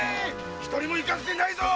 一人も生かすでないぞ！